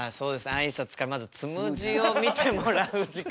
あいさつからまずつむじを見てもらう時間が。